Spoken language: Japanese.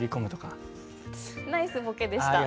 ナイスボケでした。